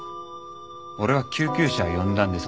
俺は救急車を呼んだんです。